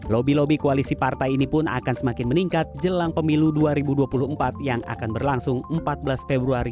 lobby lobby koalisi partai ini pun akan semakin meningkat jelang pemilu dua ribu dua puluh empat yang akan berlangsung empat belas februari